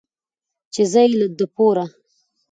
،چې زه يې د پوره